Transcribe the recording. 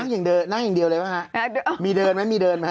นั่งอย่างเดียวเลยไหมคะมีเดินไหมมีเดินไหม